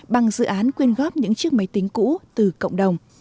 bằng dự án quyên góp những chiếc máy tính cũ từ cộng đồng